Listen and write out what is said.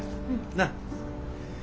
なっ。